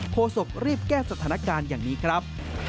โศกรีบแก้สถานการณ์อย่างนี้ครับ